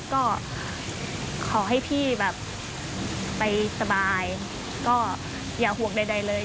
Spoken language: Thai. ก็ขอให้พี่แบบไปสบายก็อย่าห่วงใดเลย